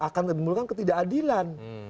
akan memulakan ketidakadilan